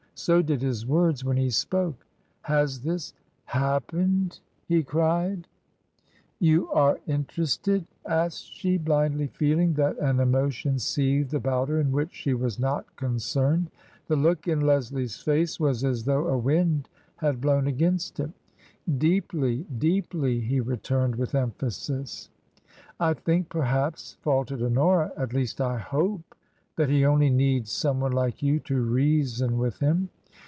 So did his words when he spoke. " Has this — happened T he cried. TRANSITION. 57 " You are interested ?" asked she, blindly feeling that an emotion seethed about her in which she was not con cerned. The look in Leslie's &ce was as though a wind had blown against it. " Deeply ! Deeply !" he returned, with emphasis. " I think, perhaps,*' faltered Honora, " at least I Itope^ that he only needs some one like you to reason with him."